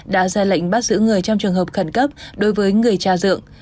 đã ra lệnh bắt giữ người trong trường hợp khẩn cấp đối với người cha dượng